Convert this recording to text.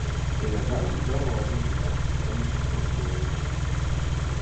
Beja garum garuo rynda, a izstuoviejom.